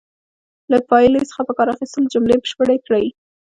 له پایلې څخه په کار اخیستلو جملې بشپړې کړئ.